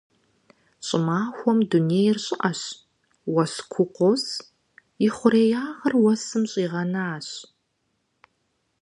ЩӀымахуэм дунейр щӀыӀэщ, уэс куу къос, ихъуреягъыр уэсым щӀигъэнащ.